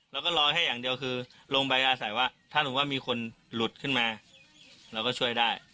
แล้วก็รอแค่อย่างเดียวคือลงไปอาศัยว่าถ้าสมมุติว่ามีคนหลุดขึ้นมาเราก็ช่วยได้